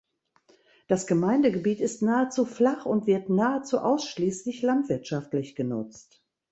Das Gemeindegebiet ist nahezu flach und wird nahezu ausschließlich landwirtschaftlich genutzt.